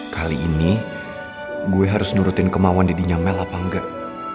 kali ini gue harus nurutin kemauan deddy nya mel apa enggak